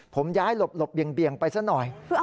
ผมย้ายหลบเบี่ยงไปซะหน่อย